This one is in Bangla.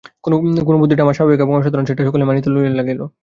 কেজো বুদ্ধিটা যে আমার স্বাভাবিক এবং অসাধারণ সেটা সকলেই মানিয়া লইতে লাগিল।